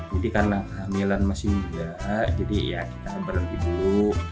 jadi karena kehamilan masih juga jadi ya kita berhenti dulu